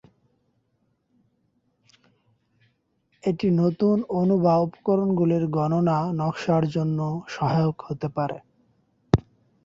এটি নতুন অণু বা উপকরণগুলির গণনা নকশার জন্য সহায়ক হতে পারে।